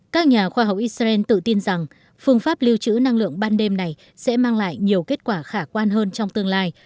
các nhà khoa học israel tự tin rằng phương pháp lưu trữ năng lượng ban đêm này sẽ mang lại nhiều kết quả khả quan hơn trong tương lai